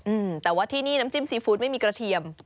อืมแต่ว่าที่นี่น้ำจิ้มซีฟู้ดไม่มีกระเทียม